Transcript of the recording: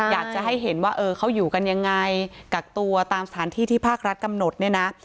อยากจะให้เห็นว่าเออเขาอยู่กันยังไงกักตัวตามสถานที่ที่ภาครัฐกำหนดเนี่ยนะ